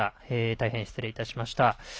大変失礼いたしました。